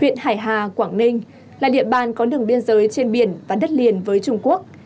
huyện hải hà quảng ninh là địa bàn có đường biên giới trên biển và đất liền với trung quốc